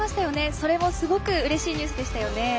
それもすごくうれしいニュースでしたよね。